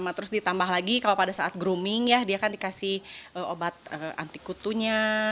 nah terus ditambah lagi kalau pada saat grooming ya dia kan dikasih obat anti kutunya